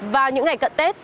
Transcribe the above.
vào những ngày cận tết